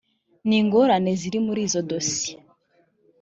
n ingorane ziri muri izo dosiye